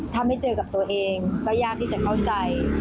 ถ้าไม่เจอกับตัวเองก็ยากที่จะเข้าใจ